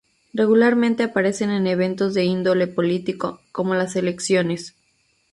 Regularmente aparecen en eventos de índole político, como las elecciones.